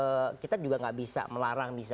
kalau saya pikir memang kita juga nggak bisa melarang bisa